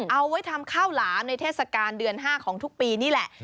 เอาไว้ทำข้าวหลามในเทศกาลเดือน๕ของทุกปีนี่แหละ